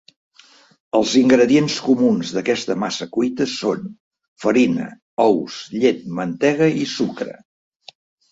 Els ingredients comuns d'aquesta massa cuita són: farina, ous, llet, mantega i sucre.